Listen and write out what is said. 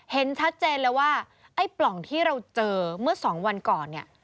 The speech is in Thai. เห็นชัดเจนเลยว่าไอ้ปล่องที่เราเจอเมื่อสองวันก่อนเนี่ย